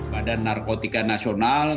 badan narkotika nasional